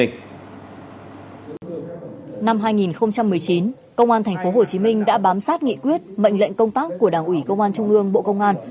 năm hai nghìn một mươi chín công an tp hcm đã bám sát nghị quyết mệnh lệnh công tác của đảng ủy công an trung ương bộ công an